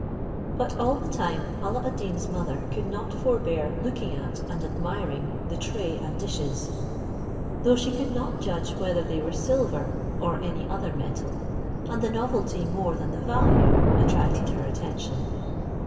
But all the time Alla ad Deen's mother could not forbear looking at and admiring the tray and dishes, though she could not judge whether they were silver or any other metal, and the novelty more than the value attracted her attention.